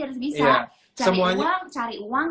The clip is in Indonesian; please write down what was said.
harus bisa cari uang cari uang